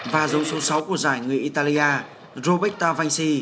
và giống số sáu của giải người italia